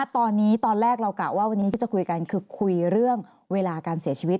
ตอนนี้ตอนแรกเรากะว่าวันนี้ที่จะคุยกันคือคุยเรื่องเวลาการเสียชีวิต